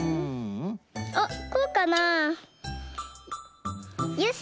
あっこうかな？よし！